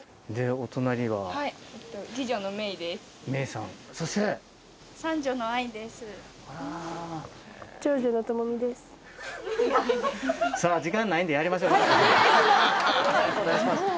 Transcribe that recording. お願いします。